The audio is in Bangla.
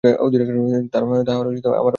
তাহারা আমার নাতি ও নাতনী।